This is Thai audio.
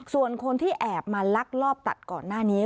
ส่วนคนที่แอบมาลักลอบตัดก่อนหน้านี้